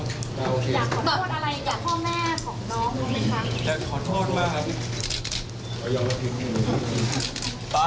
อยากขอโทษอะไรกับพ่อแม่ของน้องมั้ยครับ